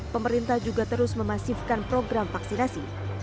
pemerintah juga terus memasifkan program vaksinasi